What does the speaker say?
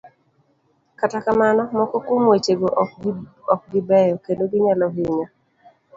Kata kamano, moko kuom wechego ok gi beyo, kendo ginyalo hinyo